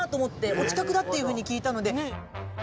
お近くだっていうふうに聞いたので。